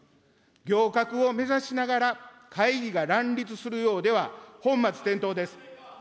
行革を目指しながら、会議が乱立するようでは本末転倒です。